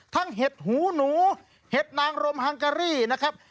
เห็ดหูหนูเห็ดนางรมฮังการี่นะครับ